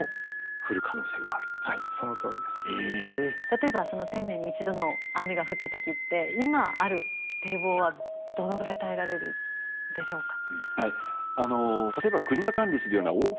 例えばその１０００年に１度の雨が降った時って今ある堤防はどのぐらい耐えられるんでしょうか。